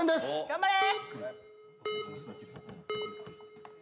頑張れ！